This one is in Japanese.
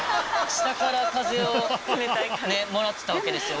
下から風をもらってたわけですよ